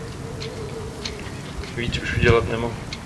Víc už udělat nemohu.